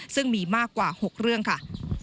ซึ่งมีมากกว่า๖เรื่องค่ะ